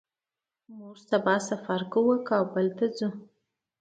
موږ سبا سفر کوو او کابل ته ځو